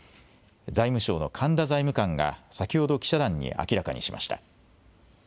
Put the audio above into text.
財務省の神田財務官が先ほど記者団に明らかにしました。